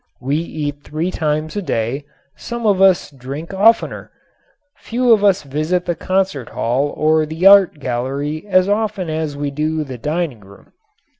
We eat three times a day; some of us drink oftener; few of us visit the concert hall or the art gallery as often as we do the dining room.